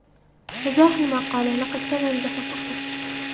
تجاهل ما قاله. لقد كان يمزح فقط.